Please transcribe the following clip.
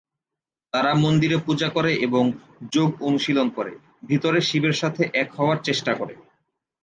তারা মন্দিরে পূজা করে এবং যোগ অনুশীলন করে, ভিতরে শিবের সাথে এক হওয়ার চেষ্টা করে।